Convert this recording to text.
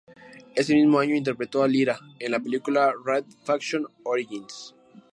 Ese mismo año interpretó a Lyra en la película "Red Faction: Origins".